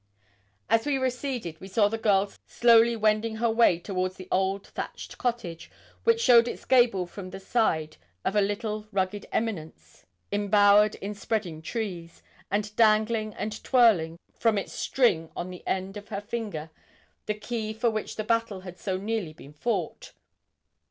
As we receded, we saw the girl slowly wending her way towards the old thatched cottage, which showed its gable from the side of a little rugged eminence embowered in spreading trees, and dangling and twirling from its string on the end of her finger the key for which a battle had so nearly been fought.